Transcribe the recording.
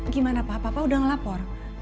gimana pak papa udah ngelapor